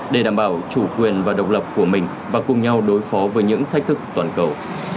để đảm bảo chủ quyền và độc lập của mình và cùng nhau đối phó với những thách thức toàn cầu